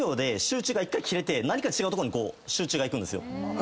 何か違うとこに集中が行くんですよ。